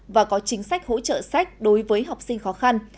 và có chính sách hỗ trợ sách đối với học sinh khó khăn